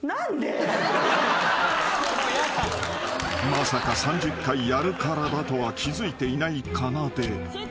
［まさか３０回やるからだとは気付いていないかなで］